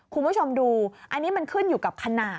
คุณผู้ชมดูอันนี้มันขึ้นอยู่กับขนาด